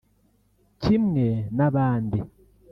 kimwe n’abandi